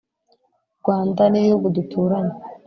rwanda n'ibihugu duturanye.